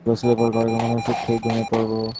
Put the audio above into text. গোসলের পর কড়া ঘুমের ওষুধ খেয়ে ঘুমিয়ে পড়ব।